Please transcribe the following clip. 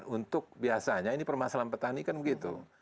untuk biasanya ini permasalahan petani kan begitu